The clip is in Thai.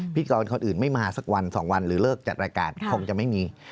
พี่กรคนอื่นไม่มาสักวัน๒วันหรือเลิกจัดรายการคงจะไม่มี